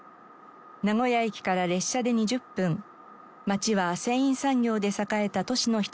名古屋駅から列車で２０分街は繊維産業で栄えた都市の一つです。